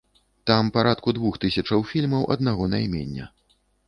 Там парадку двух тысячаў фільмаў аднаго наймення.